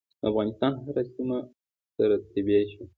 د افغانستان هره سیمه سره تبۍ شوه.